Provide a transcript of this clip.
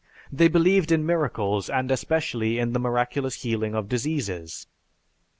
They believed in miracles and especially in the miraculous healing of diseases.